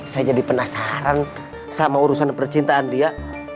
saya jadi penasaran sama urusan percintaan dia